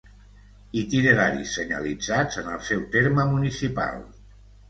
itineraris senyalitzats en el seu terme municipal